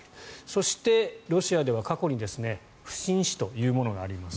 そして、ロシアでは過去に不審死というものがありました。